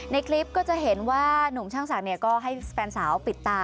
ในคลิปก็จะเห็นว่านุ่มช่างศักดิ์ก็ให้แฟนสาวปิดตา